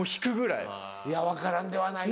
いや分からんではないけど。